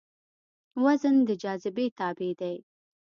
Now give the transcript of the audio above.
وزن د جاذبې تابع دی.